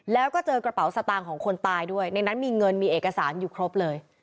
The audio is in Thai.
แล้วก็เจอกระเป๋าสตางค์ของคนตายด้วยในนั้นมีเงินมีเอกสารอยู่ครบเลย